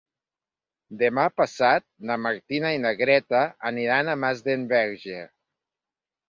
Demà passat na Martina i na Greta aniran a Masdenverge.